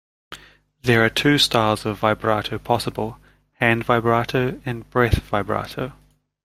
There are two styles of vibrato possible, hand vibrato and breath vibrato.